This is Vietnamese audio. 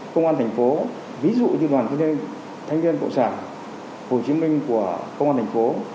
công an thành phố ví dụ như đoàn thanh niên thanh niên cộng sản hồ chí minh của công an thành phố